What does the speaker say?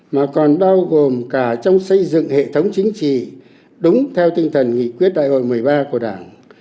mà còn bao gồm cả trong xây dựng hệ thống chính trị đúng theo tinh thần nghị quyết đại hội một mươi ba của đảng